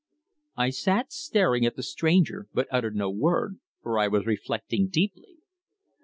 I sat staring at the stranger, but uttered no word, for I was reflecting deeply.